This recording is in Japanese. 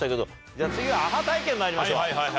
じゃあ次はアハ体験まいりましょう。